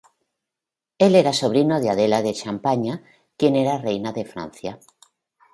Él era sobrino de Adela de Champaña, quien era reina de Francia.